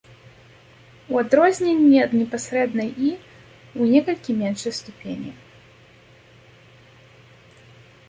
У адрозненні ад непасрэднай і, ў некалькі меншай ступені.